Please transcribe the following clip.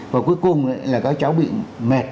và cuối cùng là các cháu bị mệt